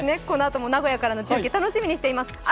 このあとも名古屋からの中継楽しみにしています。